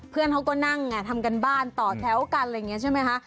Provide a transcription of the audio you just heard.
เพื่อนเขาก็นั่งไงทำกันบ้านต่อแถวกันอะไรอย่างนี้ใช่ไหมคะ